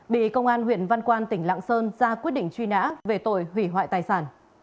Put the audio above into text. bị công an huyện văn quan tỉnh lạng sơn ra quyết định truy nã về tội hủy hoại tài sản